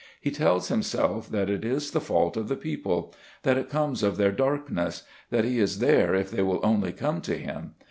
He tells himself that it is the fault of the people, that it comes of their darkness; that he is there if they will only come to him.